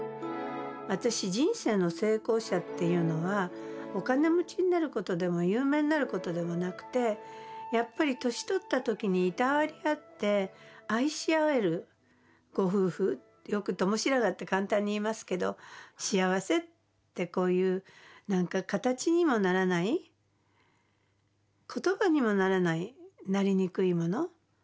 私人生の成功者っていうのはお金持ちになることでも有名になることでもなくてやっぱり年取った時にいたわり合って愛し合えるご夫婦よく共白髪って簡単に言いますけど幸せってこういう形にもならない言葉にもならないなりにくいもの。